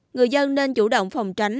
người dân nên chủ động phát triển sản phẩm